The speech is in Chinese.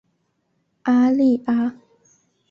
阿利阿。